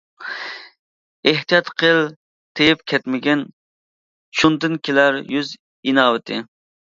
ئېھتىيات قىل تېيىپ كەتمىگىن، شۇندىن كېلەر يۈز ئىناۋىتى.